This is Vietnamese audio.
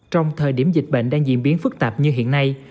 trong thời điểm dịch bệnh đang diễn biến phức tạp như hiện nay